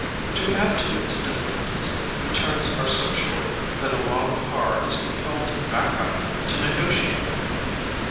To add to its difficulties, the turns are so short that a long car is compelled to back up to negotiate them.